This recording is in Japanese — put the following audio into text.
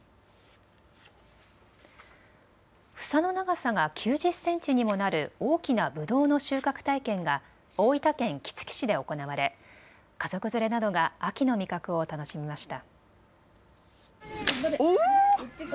房の長さが９０センチにもなる大きなぶどうの収穫体験が大分県杵築市で行われ家族連れなどが秋の味覚を楽しみました。